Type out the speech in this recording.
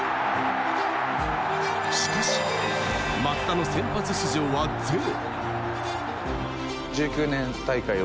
しかし、松田の先発出場はゼロ。